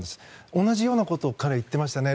同じようなことを彼は言っていましたね。